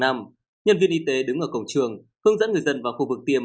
nhân viên y tế đứng ở cổng trường hướng dẫn người dân vào khu vực tiêm